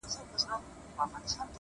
• ستا د رخسار خبري ډيري ښې دي ـ